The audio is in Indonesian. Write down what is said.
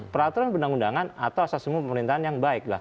peraturan perundang undangan atau asas umum pemerintahan yang baik